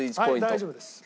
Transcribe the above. はい大丈夫です。